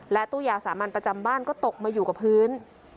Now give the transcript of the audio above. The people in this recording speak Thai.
ตู้ยาสามัญประจำบ้านก็ตกมาอยู่กับพื้น